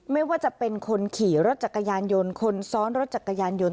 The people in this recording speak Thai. ไม่ว่าจะเป็นคนขี่รถจักรยานยนต์คนซ้อนรถจักรยานยนต์